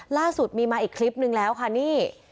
ล่าสุดมีมาอีกคลิปนึงแล้วค่ะนี่